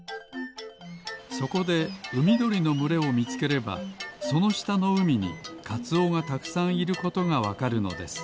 そこでうみどりのむれをみつければそのしたのうみにカツオがたくさんいることがわかるのです。